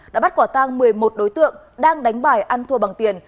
đã bắt quả tang một mươi một đối tượng đang đánh bài ăn thua bằng tiền